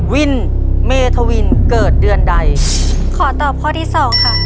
วินเมธวินเกิดเดือนใดขอตอบข้อที่สองค่ะ